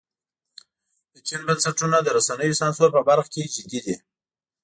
د چین بنسټونه د رسنیو سانسور په برخه کې جدي دي.